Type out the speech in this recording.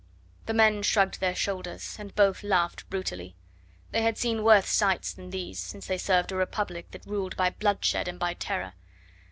The men shrugged their shoulders, and both laughed brutally. They had seen worse sights than these, since they served a Republic that ruled by bloodshed and by terror.